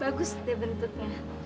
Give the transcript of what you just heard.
bagus deh bentuknya